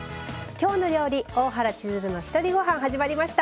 「きょうの料理」「大原千鶴のひとりごはん」始まりました。